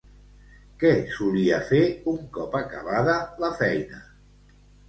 Què solia fer un cop acabada la feina?